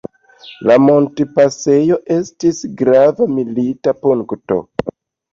La montpasejo estis grava milita punkto.